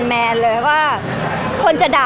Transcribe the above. พี่ตอบได้แค่นี้จริงค่ะ